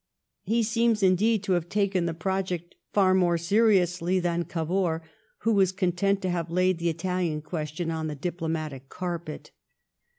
He seems, indeed, to have taken the project far more seriously than Oavour, who was content to have laid the Italian question on the diplomatic carpet.